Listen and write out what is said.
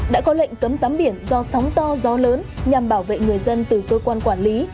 đã có lệnh cấm tắm biển do sóng to gió lớn nhằm bảo vệ người dân từ cơ quan quản lý